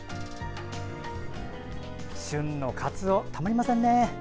旬のかつお、たまりませんね。